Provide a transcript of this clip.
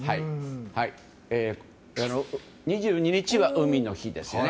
２２日は海の日ですね。